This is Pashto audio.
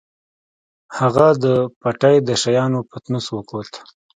هغه د پټۍ د شيانو پتنوس وکوت.